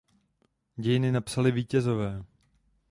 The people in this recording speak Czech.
Dějiny napsali vítězové.